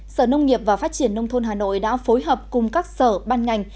sở nông nghiệp và phát triển nông thôn hà nội đã phối hợp cùng các sở ban ngành